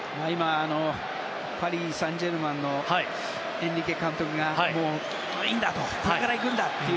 パリ・サンジェルマンのエンリケ監督が、今もう、これから行くんだと。